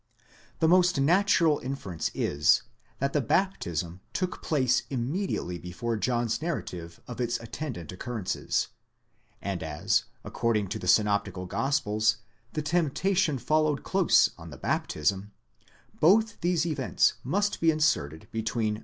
The most natural inference is, that the baptism took place immediately before John's narrative of its attendant occurrences, and as according to the synoptical gospels the temptation followed close on the baptism, both these events must be inserted between v.